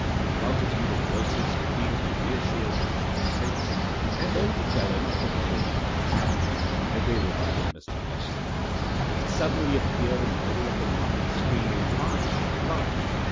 A multitude of voices competed to reassure him of his safety, and then to tell him of the behaviour of the madman, as they regarded Mr. Bessel. He had suddenly appeared in the middle of the market screaming "LIFE! LIFE!"